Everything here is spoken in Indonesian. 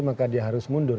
maka dia harus mundur